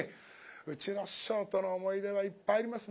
うちの師匠との思い出はいっぱいありますね。